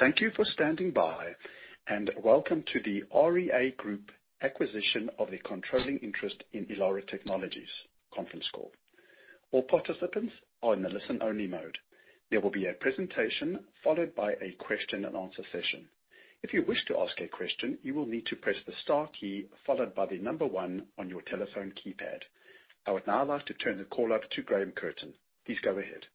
Thank you for standing by, and welcome to the REA Group Acquisition of a Controlling Interest in Elara Technologies conference call. All participants are in the listen-only mode. There will be a presentation followed by a question-and-answer session. If you wish to ask a question, you will need to press the star key followed by the number one on your telephone keypad. I would now like to turn the call over to Graham Curtin. Please go ahead.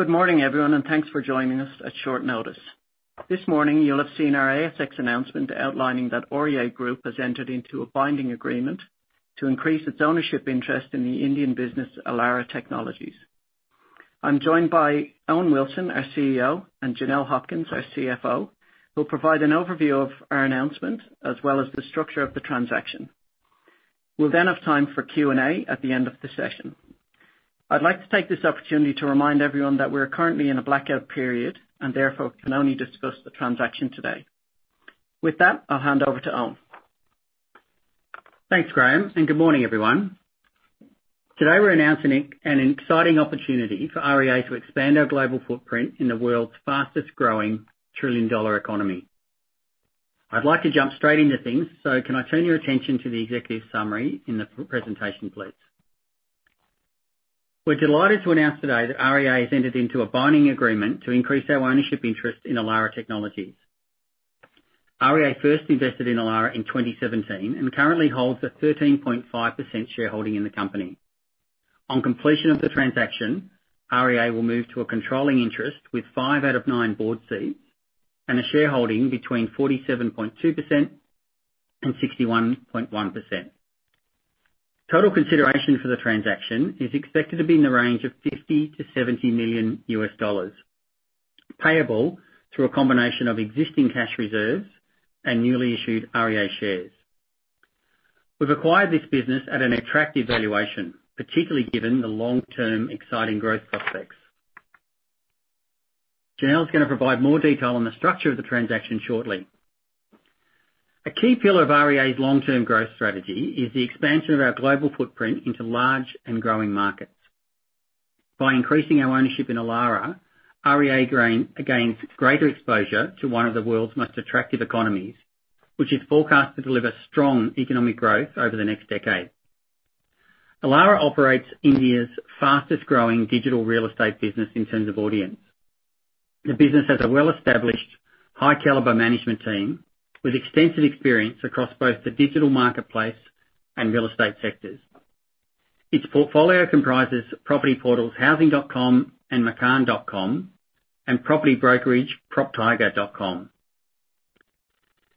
Good morning, everyone, and thanks for joining us at short notice. This morning, you'll have seen our ASX announcement outlining that REA Group has entered into a binding agreement to increase its ownership interest in the Indian business Elara Technologies. I'm joined by Owen Wilson, our CEO, and Janelle Hopkins, our CFO, who'll provide an overview of our announcement as well as the structure of the transaction. We'll then have time for Q&A at the end of the session. I'd like to take this opportunity to remind everyone that we're currently in a blackout period and therefore can only discuss the transaction today. With that, I'll hand over to Owen. Thanks, Graham, and good morning, everyone. Today, we're announcing an exciting opportunity for REA to expand our global footprint in the world's fastest-growing trillion-dollar economy. I'd like to jump straight into things, so can I turn your attention to the executive summary in the presentation, please? We're delighted to announce today that REA has entered into a binding agreement to increase our ownership interest in Elara Technologies. REA first invested in Elara in 2017 and currently holds a 13.5% shareholding in the company. On completion of the transaction, REA will move to a controlling interest with five out of nine board seats and a shareholding between 47.2%-61.1%. Total consideration for the transaction is expected to be in the range of $50 million-$70 million, payable through a combination of existing cash reserves and newly issued REA shares. We've acquired this business at an attractive valuation, particularly given the long-term exciting growth prospects. Janelle's going to provide more detail on the structure of the transaction shortly. A key pillar of REA's long-term growth strategy is the expansion of our global footprint into large and growing markets. By increasing our ownership in Elara, REA gains greater exposure to one of the world's most attractive economies, which is forecast to deliver strong economic growth over the next decade. Elara operates India's fastest-growing digital real estate business in terms of audience. The business has a well-established, high-caliber management team with extensive experience across both the digital marketplace and real estate sectors. Its portfolio comprises property portals Housing.com and Makan.com and property brokerage PropTiger.com.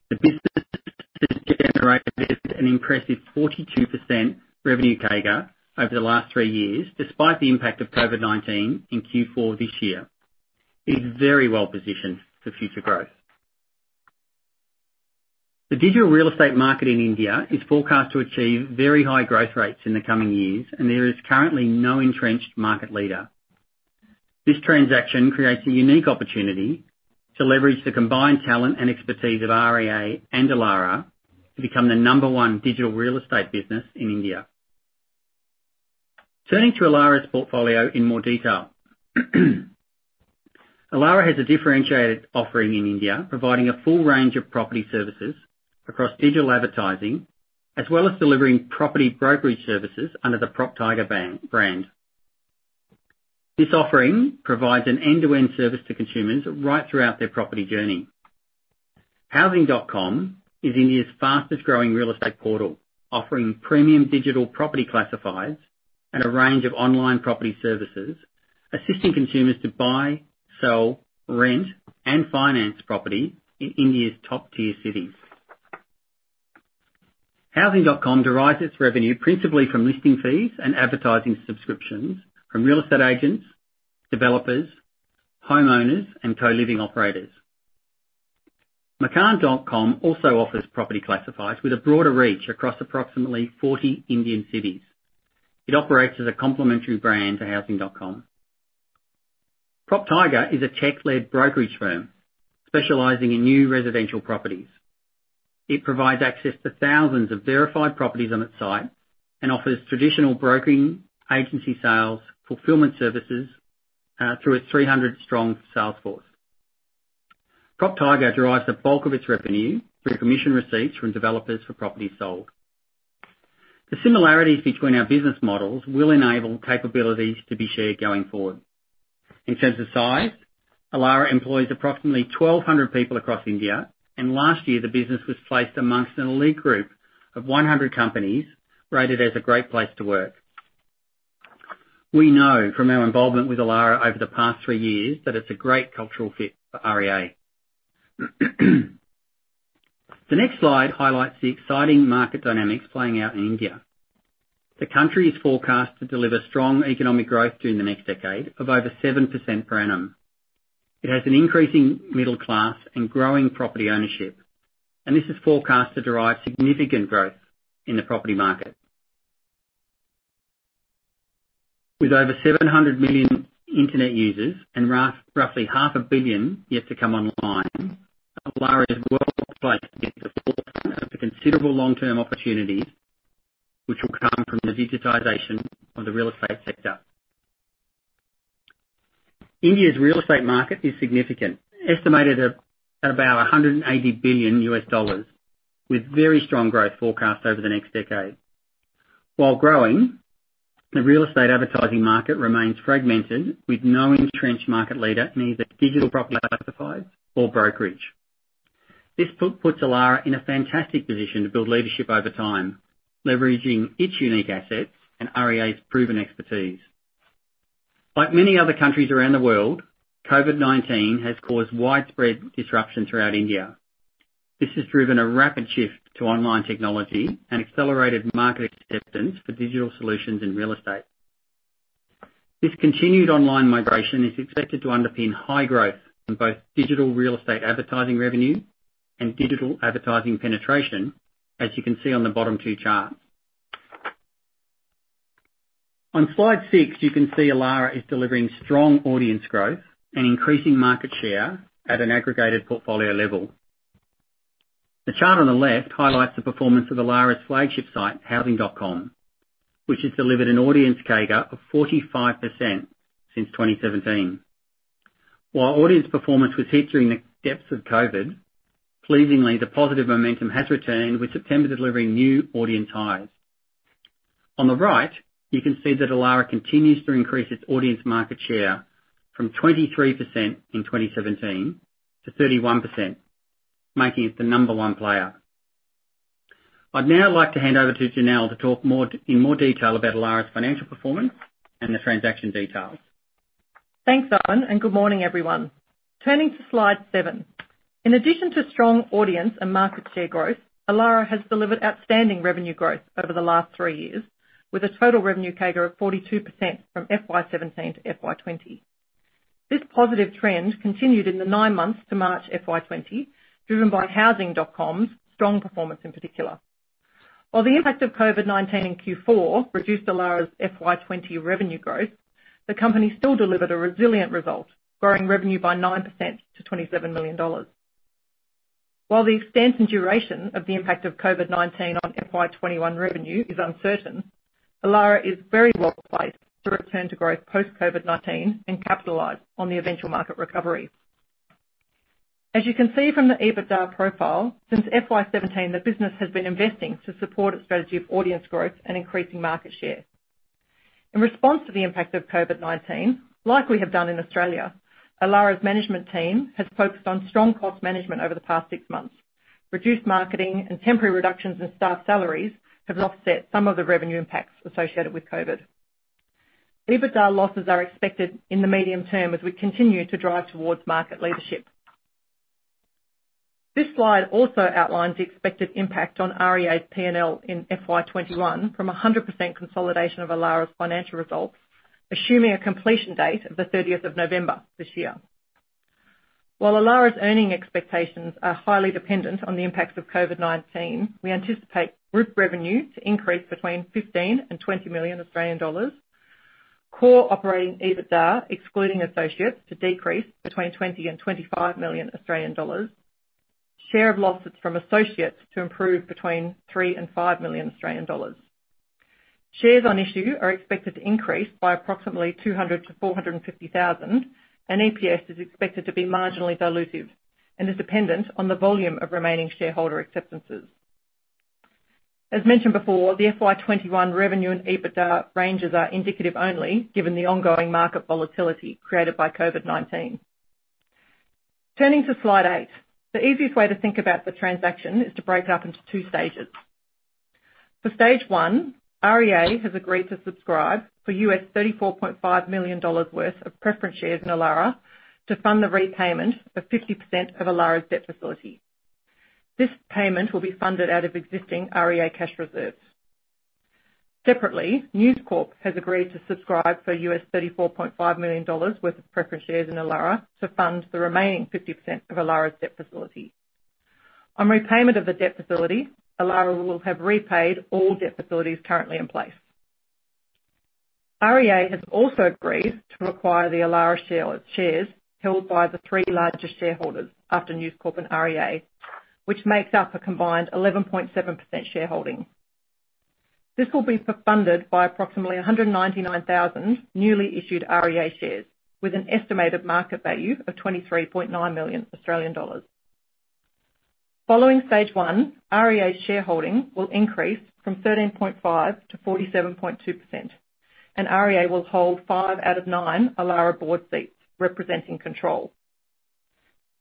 The business has generated an impressive 42% revenue CAGR over the last three years, despite the impact of COVID-19 in Q4 this year. It is very well positioned for future growth. The digital real estate market in India is forecast to achieve very high growth rates in the coming years, and there is currently no entrenched market leader. This transaction creates a unique opportunity to leverage the combined talent and expertise of REA and Elara to become the number one digital real estate business in India. Turning to Elara's portfolio in more detail, Elara has a differentiated offering in India, providing a full range of property services across digital advertising as well as delivering property brokerage services under the PropTiger brand. This offering provides an end-to-end service to consumers right throughout their property journey. Housing.com is India's fastest-growing real estate portal, offering premium digital property classifieds and a range of online property services, assisting consumers to buy, sell, rent, and finance property in India's top-tier cities. Housing.com derives its revenue principally from listing fees and advertising subscriptions from real estate agents, developers, homeowners, and co-living operators. Makan.com also offers property classifieds with a broader reach across approximately 40 Indian cities. It operates as a complementary brand to Housing.com. PropTiger is a tech-led brokerage firm specializing in new residential properties. It provides access to thousands of verified properties on its site and offers traditional brokering agency sales, fulfillment services through its 300-strong sales force. PropTiger derives the bulk of its revenue through commission receipts from developers for properties sold. The similarities between our business models will enable capabilities to be shared going forward. In terms of size, Elara employs approximately 1,200 people across India, and last year, the business was placed amongst an elite group of 100 companies rated as a great place to work. We know from our involvement with Elara over the past three years that it's a great cultural fit for REA. The next slide highlights the exciting market dynamics playing out in India. The country is forecast to deliver strong economic growth during the next decade of over 7% per annum. It has an increasing middle class and growing property ownership, and this is forecast to drive significant growth in the property market. With over 700 million internet users and roughly half a billion yet to come online, Elara is well placed to be at the forefront of the considerable long-term opportunities which will come from the digitization of the real estate sector. India's real estate market is significant, estimated at about $180 billion, with very strong growth forecast over the next decade. While growing, the real estate advertising market remains fragmented with no entrenched market leader, neither digital property classifieds nor brokerage. This puts Elara in a fantastic position to build leadership over time, leveraging its unique assets and REA's proven expertise. Like many other countries around the world, COVID-19 has caused widespread disruption throughout India. This has driven a rapid shift to online technology and accelerated market acceptance for digital solutions in real estate. This continued online migration is expected to underpin high growth in both digital real estate advertising revenue and digital advertising penetration, as you can see on the bottom two charts. On slide six, you can see Elara is delivering strong audience growth and increasing market share at an aggregated portfolio level. The chart on the left highlights the performance of Elara's flagship site, Housing.com, which has delivered an audience CAGR of 45% since 2017. While audience performance was hit during the depths of COVID, pleasingly, the positive momentum has returned, with September delivering new audience highs. On the right, you can see that Elara continues to increase its audience market share from 23% in 2017 to 31%, making it the number one player. I'd now like to hand over to Janelle to talk in more detail about Elara's financial performance and the transaction details. Thanks, Owen, and good morning, everyone. Turning to slide seven, in addition to strong audience and market share growth, Elara has delivered outstanding revenue growth over the last three years, with a total revenue CAGR of 42% from FY2017 to FY2020. This positive trend continued in the nine months to March FY2020, driven by Housing.com's strong performance in particular. While the impact of COVID-19 in Q4 reduced Elara's FY2020 revenue growth, the company still delivered a resilient result, growing revenue by 9% to $27 million. While the extent and duration of the impact of COVID-19 on FY2021 revenue is uncertain, Elara is very well placed to return to growth post-COVID-19 and capitalize on the eventual market recovery. As you can see from the EBITDA profile, since FY2017, the business has been investing to support its strategy of audience growth and increasing market share. In response to the impact of COVID-19, like we have done in Australia, Elara's management team has focused on strong cost management over the past six months. Reduced marketing and temporary reductions in staff salaries have offset some of the revenue impacts associated with COVID. EBITDA losses are expected in the medium term as we continue to drive towards market leadership. This slide also outlines the expected impact on REA's P&L in FY2021 from 100% consolidation of Elara's financial results, assuming a completion date of the 30th of November this year. While Elara's earning expectations are highly dependent on the impacts of COVID-19, we anticipate group revenue to increase between 15 million and 20 million Australian dollars, core operating EBITDA excluding associates to decrease between 20 million and 25 million Australian dollars, share of losses from associates to improve between 3 million and 5 million Australian dollars. Shares on issue are expected to increase by approximately 200,000-450,000, and EPS is expected to be marginally dilutive and is dependent on the volume of remaining shareholder acceptances. As mentioned before, the FY2021 revenue and EBITDA ranges are indicative only given the ongoing market volatility created by COVID-19. Turning to slide eight, the easiest way to think about the transaction is to break it up into two stages. For stage one, REA has agreed to subscribe for $34.5 million worth of preference shares in Elara to fund the repayment of 50% of Elara's debt facility. This payment will be funded out of existing REA cash reserves. Separately, News Corp has agreed to subscribe for $34.5 million worth of preference shares in Elara to fund the remaining 50% of Elara's debt facility. On repayment of the debt facility, Elara will have repaid all debt facilities currently in place. REA has also agreed to acquire the Elara shares held by the three largest shareholders after News Corp and REA, which makes up a combined 11.7% shareholding. This will be funded by approximately 199,000 newly issued REA shares with an estimated market value of 23.9 million Australian dollars. Following stage one, REA's shareholding will increase from 13.5% to 47.2%, and REA will hold five out of nine Elara board seats representing control.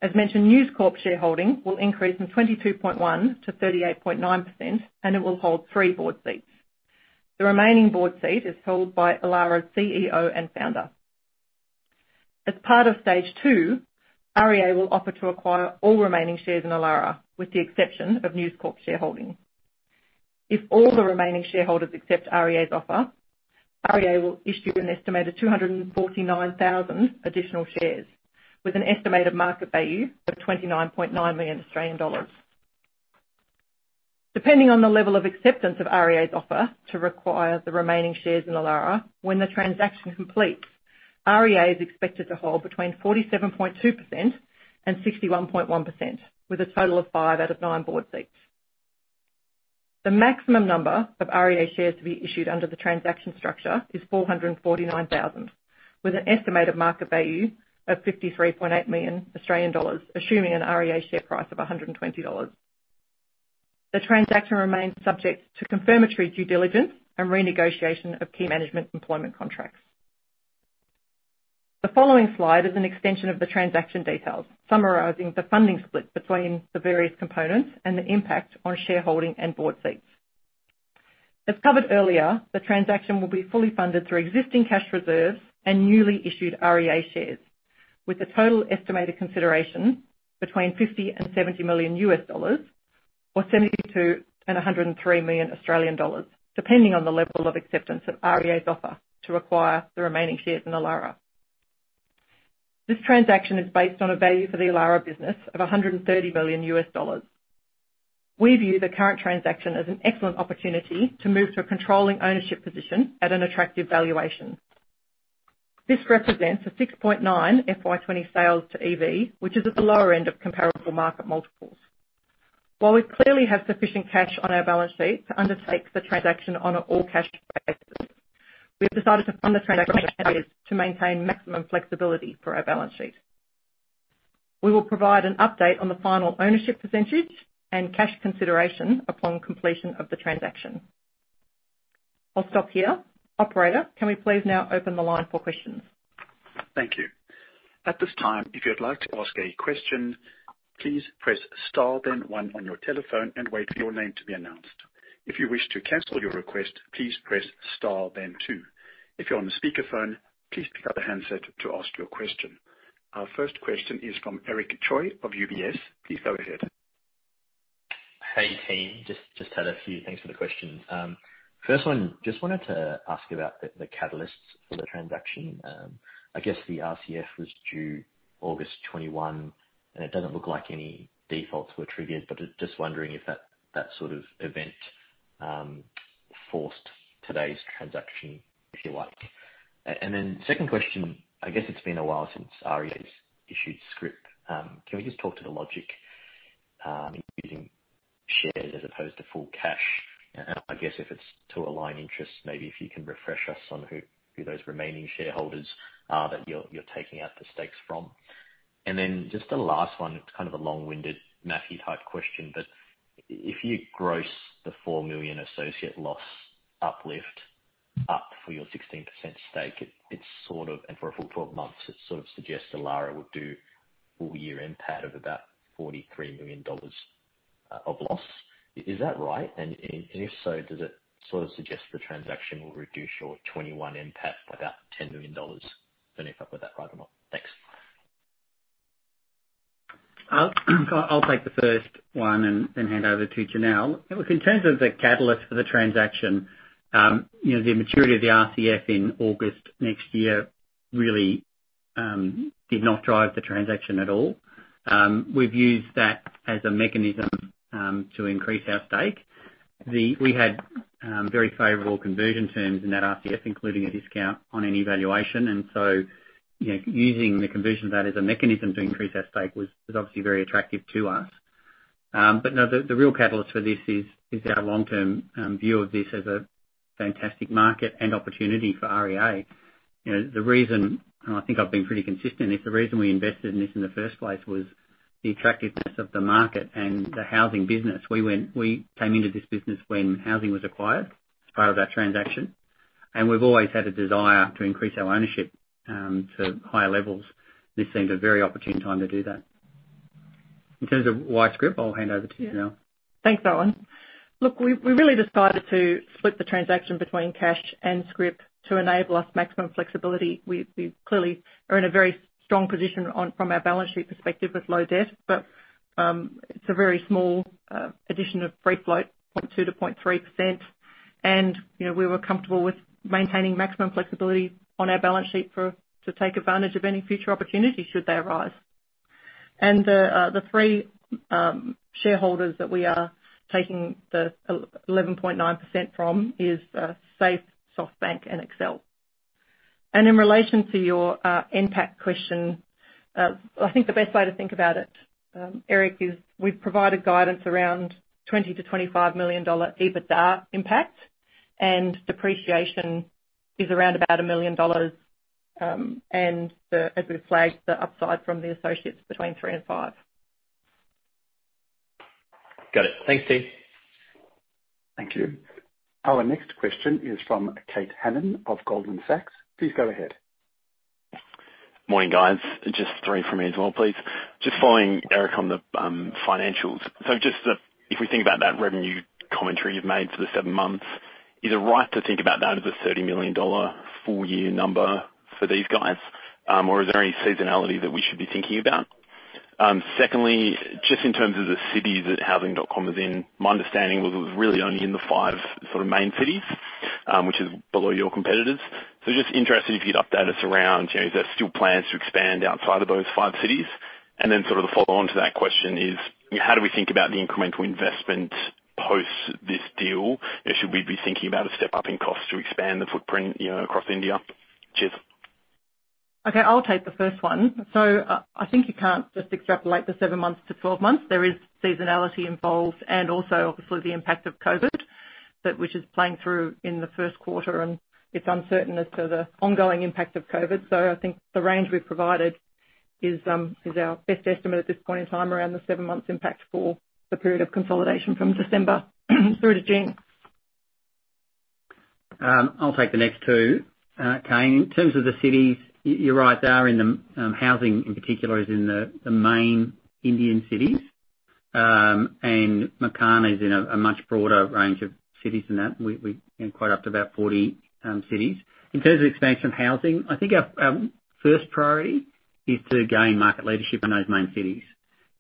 As mentioned, News Corp shareholding will increase from 22.1% to 38.9%, and it will hold three board seats. The remaining board seat is held by Elara's CEO and founder. As part of stage two, REA will offer to acquire all remaining shares in Elara with the exception of News Corp shareholding. If all the remaining shareholders accept REA's offer, REA will issue an estimated 249,000 additional shares with an estimated market value of 29.9 million Australian dollars. Depending on the level of acceptance of REA's offer to acquire the remaining shares in Elara, when the transaction completes, REA is expected to hold between 47.2% and 61.1% with a total of five out of nine board seats. The maximum number of REA shares to be issued under the transaction structure is 449,000, with an estimated market value of 53.8 million Australian dollars, assuming an REA share price of $120. The transaction remains subject to confirmatory due diligence and renegotiation of key management employment contracts. The following slide is an extension of the transaction details summarizing the funding split between the various components and the impact on shareholding and board seats. As covered earlier, the transaction will be fully funded through existing cash reserves and newly issued REA shares, with a total estimated consideration between $50 million and $70 million or 72 million and 103 million Australian dollars, depending on the level of acceptance of REA's offer to acquire the remaining shares in Elara. This transaction is based on a value for the Elara business of $130 million. We view the current transaction as an excellent opportunity to move to a controlling ownership position at an attractive valuation. This represents a 6.9 FY20 sales to EV, which is at the lower end of comparable market multiples. While we clearly have sufficient cash on our balance sheet to undertake the transaction on an all-cash basis, we have decided to fund the transaction to maintain maximum flexibility for our balance sheet. We will provide an update on the final ownership percentage and cash consideration upon completion of the transaction. I'll stop here. Operator, can we please now open the line for questions? Thank you. At this time, if you'd like to ask a question, please press Star then One on your telephone and wait for your name to be announced. If you wish to cancel your request, please press Star then Two. If you're on the speakerphone, please pick up the handset to ask your question. Our first question is from Eric Choi of UBS. Please go ahead. Hey, team. Just had a few things for the questions. First one, just wanted to ask about the catalysts for the transaction. I guess the RCF was due August 21, and it doesn't look like any defaults were triggered, but just wondering if that sort of event forced today's transaction, if you like. Second question, I guess it's been a while since REA's issued script. Can we just talk to the logic using shares as opposed to full cash? I guess if it's to align interest, maybe if you can refresh us on who those remaining shareholders are that you're taking out the stakes from. Just the last one, it's kind of a long-winded mathy-type question, but if you gross the $4 million associate loss uplift up for your 16% stake, and for a full 12 months, it sort of suggests Elara would do a full year NPAT of about $43 million of loss. Is that right? If so, does it sort of suggest the transaction will reduce your 2021 NPAT by about $10 million? Don't know if I've got that right or not. Thanks. I'll take the first one and then hand over to Janelle. In terms of the catalyst for the transaction, the maturity of the RCF in August next year really did not drive the transaction at all. We have used that as a mechanism to increase our stake. We had very favorable conversion terms in that RCF, including a discount on any valuation. Using the conversion of that as a mechanism to increase our stake was obviously very attractive to us. No, the real catalyst for this is our long-term view of this as a fantastic market and opportunity for REA. The reason, and I think I have been pretty consistent, is the reason we invested in this in the first place was the attractiveness of the market and the housing business. We came into this business when Housing.com was acquired as part of that transaction. We have always had a desire to increase our ownership to higher levels. This seemed a very opportune time to do that. In terms of why script, I will hand over to Janelle. Thanks, Owen. Look, we really decided to split the transaction between cash and script to enable us maximum flexibility. We clearly are in a very strong position from our balance sheet perspective with low debt, but it is a very small addition of free float, 0.2%-0.3%. We were comfortable with maintaining maximum flexibility on our balance sheet to take advantage of any future opportunity should they arise. The three shareholders that we are taking the 11.9% from are SAIF, SoftBank, and Excel. In relation to your NPAT question, I think the best way to think about it, Eric, is we have provided guidance around $20 million-$25 million EBITDA impact, and depreciation is around about $1 million. As we have flagged, the upside from the associates is between three and five. Got it. Thanks, team. Thank you. Our next question is from Kate Hannon of Goldman Sachs. Please go ahead. Morning, guys. Just three from me as well, please. Just following, Eric, on the financials. If we think about that revenue commentary you have made for the seven months, is it right to think about that as a $30 million full-year number for these guys, or is there any seasonality that we should be thinking about? Secondly, in terms of the cities that Housing.com is in, my understanding was it was really only in the five sort of main cities, which is below your competitors. I am just interested if you would update us around, are there still plans to expand outside of those five cities? The follow-on to that question is, how do we think about the incremental investment post this deal? Should we be thinking about a step-up in cost to expand the footprint across India? Cheers. Okay, I'll take the first one. I think you can't just extrapolate the seven months to 12 months. There is seasonality involved and also, obviously, the impact of COVID, which is playing through in the first quarter, and it's uncertain as to the ongoing impact of COVID. I think the range we've provided is our best estimate at this point in time around the seven-month impact for the period of consolidation from December through to June. I'll take the next two, Kane. In terms of the cities, you're right, housing in particular is in the main Indian cities, and Makan is in a much broader range of cities than that. We're quite up to about 40 cities. In terms of expansion of housing, I think our first priority is to gain market leadership in those main cities.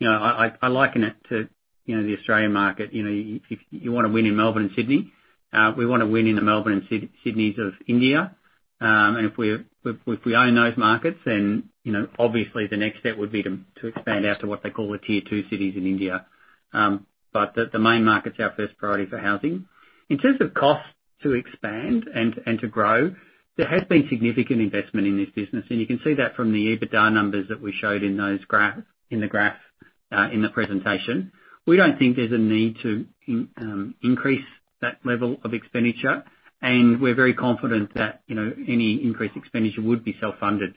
I liken it to the Australian market. If you want to win in Melbourne and Sydney, we want to win in the Melbourne and Sydneys of India. If we own those markets, then obviously the next step would be to expand out to what they call the tier two cities in India. The main market's our first priority for housing. In terms of cost to expand and to grow, there has been significant investment in this business, and you can see that from the EBITDA numbers that we showed in the graph in the presentation. We do not think there is a need to increase that level of expenditure, and we are very confident that any increased expenditure would be self-funded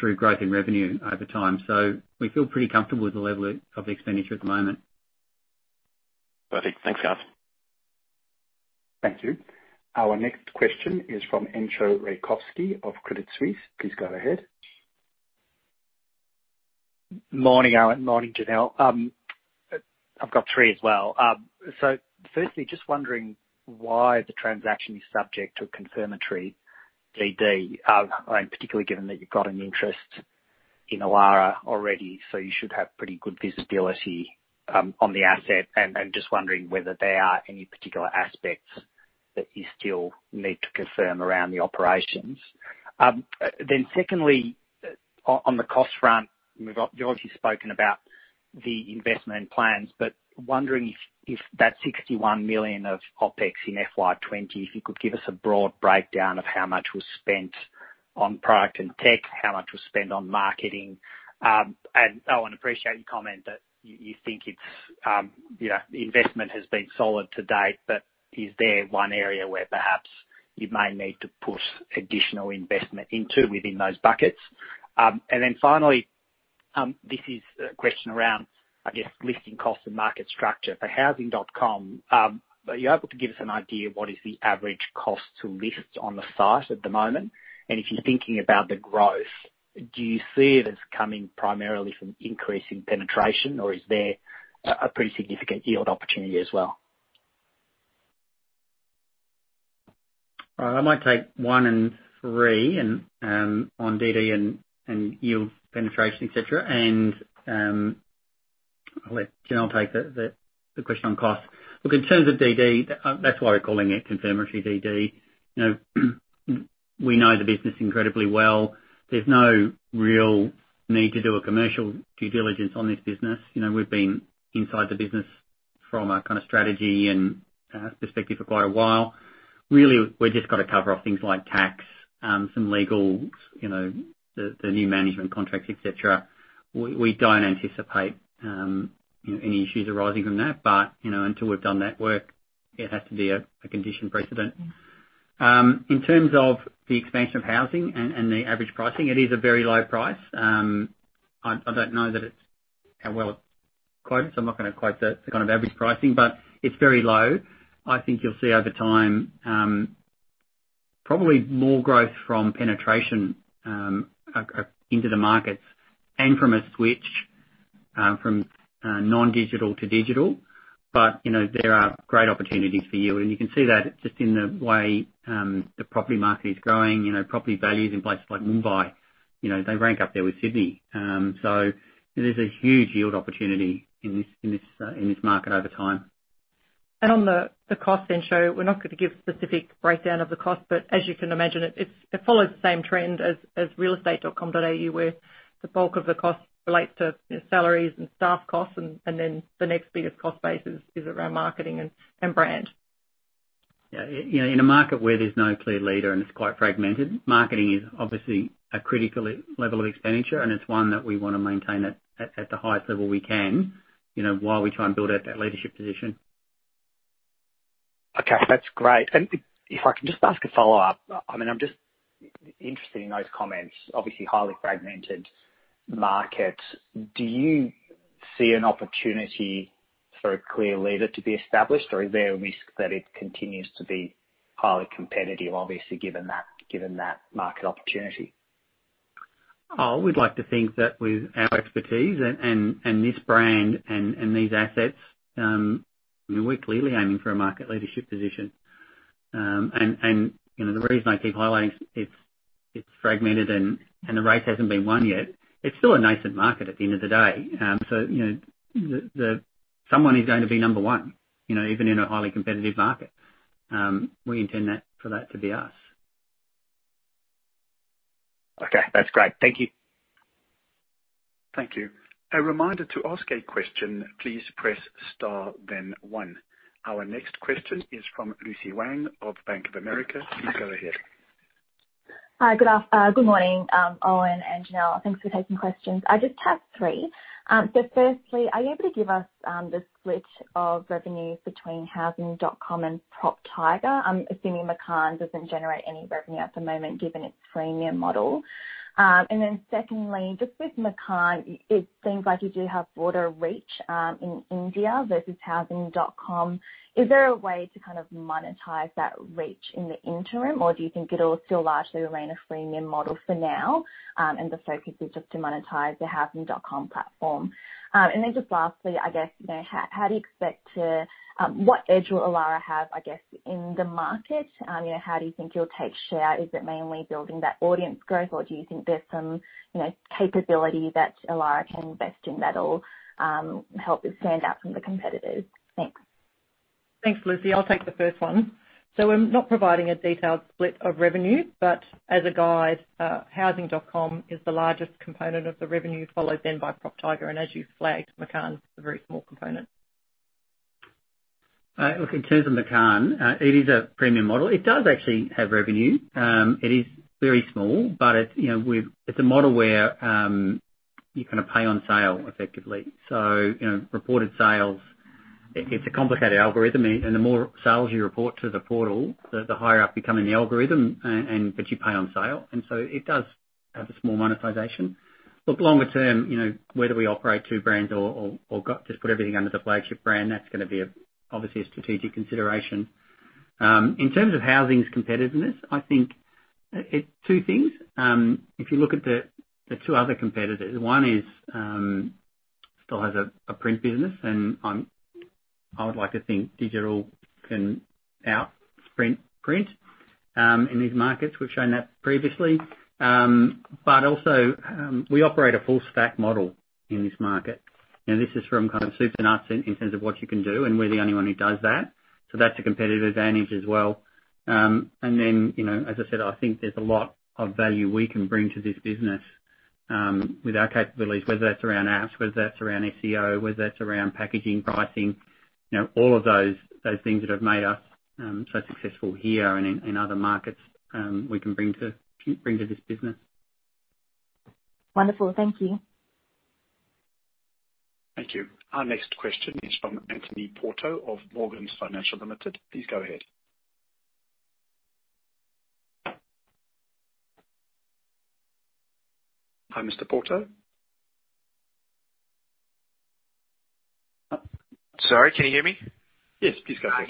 through growth in revenue over time. We feel pretty comfortable with the level of expenditure at the moment. Perfect. Thanks, guys. Thank you. Our next question is from Enzo Raykovski of Credit Suisse. Please go ahead. Morning, Owen. Morning, Janelle. I've got three as well. Firstly, just wondering why the transaction is subject to confirmatory DD, particularly given that you've got an interest in Elara already, so you should have pretty good visibility on the asset, and just wondering whether there are any particular aspects that you still need to confirm around the operations. Secondly, on the cost front, you've obviously spoken about the investment plans, but wondering if that 61 million of OPEX in FY2020, if you could give us a broad breakdown of how much was spent on product and tech, how much on marketing. Owen, I appreciate your comment that you think investment has been solid to date, but is there one area where perhaps you may need to put additional investment into within those buckets? Finally, this is a question around, I guess, listing costs and market structure for Housing.com. Are you able to give us an idea of what is the average cost to list on the site at the moment? If you're thinking about the growth, do you see it as coming primarily from increasing penetration, or is there a pretty significant yield opportunity as well? I might take one and three on DD and yield penetration, etc. Janelle, take the question on cost. Look, in terms of DD, that's why we're calling it confirmatory DD. We know the business incredibly well. There's no real need to do a commercial due diligence on this business. We've been inside the business from our kind of strategy and perspective for quite a while. Really, we've just got to cover off things like tax, some legal, the new management contracts, etc. We don't anticipate any issues arising from that, but until we've done that work, it has to be a condition precedent. In terms of the expansion of housing and the average pricing, it is a very low price. I don't know how well it's quoted, so I'm not going to quote the kind of average pricing, but it's very low. I think you'll see over time probably more growth from penetration into the markets and from a switch from non-digital to digital, but there are great opportunities for yield. You can see that just in the way the property market is growing. Property values in places like Mumbai, they rank up there with Sydney. There is a huge yield opportunity in this market over time. On the cost, Enzo, we're not going to give specific breakdown of the cost, but as you can imagine, it follows the same trend as RealEstate.com.au, where the bulk of the cost relates to salaries and staff costs, and then the next biggest cost base is around marketing and brand. Yeah. In a market where there's no clear leader and it's quite fragmented, marketing is obviously a critical level of expenditure, and it's one that we want to maintain at the highest level we can while we try and build out that leadership position. Okay, that's great. If I can just ask a follow-up, I mean, I'm just interested in those comments. Obviously, highly fragmented market. Do you see an opportunity for a clear leader to be established, or is there a risk that it continues to be highly competitive, obviously, given that market opportunity? We'd like to think that with our expertise and this brand and these assets, we're clearly aiming for a market leadership position. The reason I keep highlighting it's fragmented and the race hasn't been won yet, it's still a nascent market at the end of the day. Someone is going to be number one, even in a highly competitive market. We intend for that to be us. Okay, that's great. Thank you. Thank you. A reminder to ask a question. Please press Star then One. Our next question is from Lucy Wang of Bank of America. Please go ahead. Hi, good morning, Owen and Janelle. Thanks for taking questions. I just have three. Firstly, are you able to give us the split of revenue between Housing.com and PropTiger? I'm assuming Makan doesn't generate any revenue at the moment given its premium model. Secondly, just with Makan, it seems like you do have broader reach in India versus Housing.com. Is there a way to kind of monetize that reach in the interim, or do you think it'll still largely remain a freemium model for now and the focus is just to monetize the Housing.com platform? Lastly, I guess, how do you expect to, what edge will Elara have, I guess, in the market? How do you think you'll take share? Is it mainly building that audience growth, or do you think there's some capability that Elara can invest in that'll help it stand out from the competitors? Thanks. Thanks, Lucy. I'll take the first one. We're not providing a detailed split of revenue, but as a guide, Housing.com is the largest component of the revenue, followed then by PropTiger, and as you flagged, Makan is a very small component. Look, in terms of Makan, it is a premium model. It does actually have revenue. It is very small, but it's a model where you kind of pay on sale effectively. So, reported sales it's a complicated algorithm, and the more sales you report to the portal, the higher up you come in the algorithm, but you pay on sale. It does have a small monetization. Look, longer term, whether we operate two brands or just put everything under the flagship brand, that's going to be obviously a strategic consideration. In terms of Housing's competitiveness, I think two things. If you look at the two other competitors, one still has a print business, and I would like to think digital can outsprint print in these markets. We've shown that previously. We operate a full-stack model in this market. This is from kind of soup to nuts in terms of what you can do, and we're the only one who does that. That is a competitive advantage as well. As I said, I think there is a lot of value we can bring to this business with our capabilities, whether that is around apps, whether that is around SEO, whether that is around packaging, pricing, all of those things that have made us so successful here and in other markets we can bring to this business. Wonderful. Thank you. Thank you. Our next question is from Anthony Porto of Morgan Financial Limited. Please go ahead. Hi, Mr. Porto. Sorry, can you hear me? Yes, please go ahead.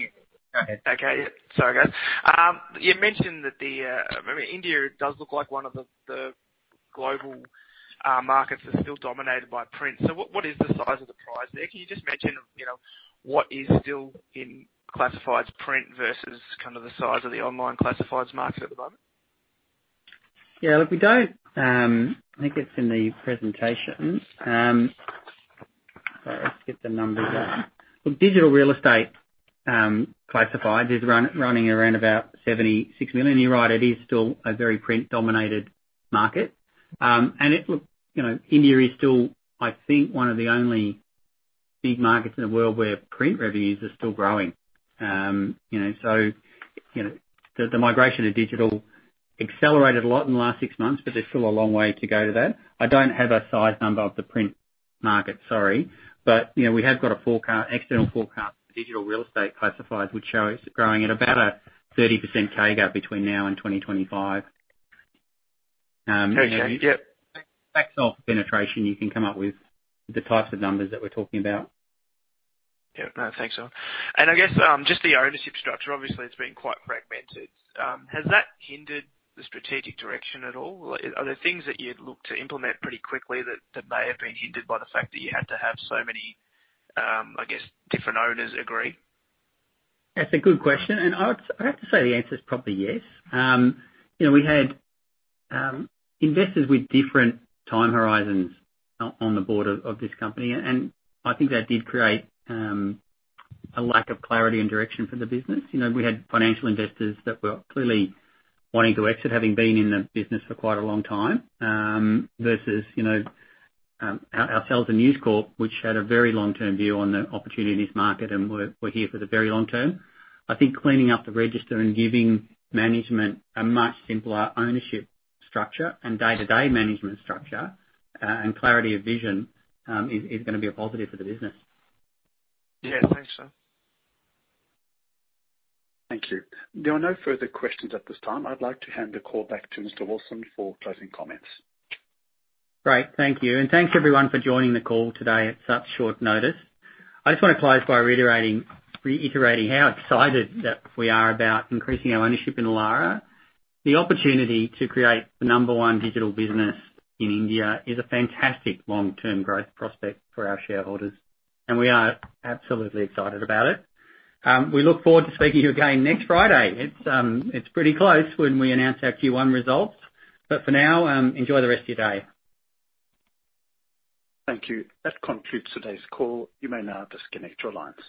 Okay. Sorry, guys. You mentioned that India does look like one of the global markets that's still dominated by print. What is the size of the prize there? Can you just mention what is still classified as print versus kind of the size of the online classifieds market at the moment? Yeah. Look, we don't think it's in the presentation. Sorry, let's get the numbers up. Look, digital real estate classifieds is running around about $76 million. You're right, it is still a very print-dominated market. India is still, I think, one of the only big markets in the world where print revenues are still growing. The migration to digital accelerated a lot in the last six months, but there's still a long way to go to that. I don't have a size number of the print market, sorry, but we have got an external forecast for digital real estate classifieds, which shows growth at about a 30% CAGR between now and 2025. Can you share? Yeah. That's off penetration. You can come up with the types of numbers that we're talking about. Yeah. No, thanks, Owen. I guess just the ownership structure, obviously, it's been quite fragmented. Has that hindered the strategic direction at all? Are there things that you'd look to implement pretty quickly that may have been hindered by the fact that you had to have so many, I guess, different owners agree? That's a good question. I'd have to say the answer is probably yes. We had investors with different time horizons on the board of this company, and I think that did create a lack of clarity and direction for the business. We had financial investors that were clearly wanting to exit, having been in the business for quite a long time, versus ourselves and News Corp, which had a very long-term view on the opportunity in this market, and we're here for the very long term. I think cleaning up the register and giving management a much simpler ownership structure and day-to-day management structure and clarity of vision is going to be a positive for the business. Yeah. Thanks, sir. Thank you. There are no further questions at this time. I'd like to hand the call back to Mr. Wilson for closing comments. Great. Thank you. Thanks, everyone, for joining the call today at such short notice. I just want to close by reiterating how excited we are about increasing our ownership in Elara. The opportunity to create the number one digital business in India is a fantastic long-term growth prospect for our shareholders, and we are absolutely excited about it. We look forward to speaking to you again next Friday. It's pretty close to when we announce our Q1 results, but for now, enjoy the rest of your day. Thank you. That concludes today's call. You may now disconnect your lines.